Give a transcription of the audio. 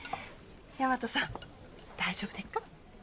大和さん大丈夫でっか？